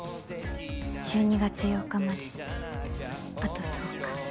１２月８日まであと１０日。